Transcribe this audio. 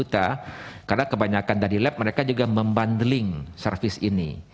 karena kebanyakan dari lab mereka juga membandeling servis ini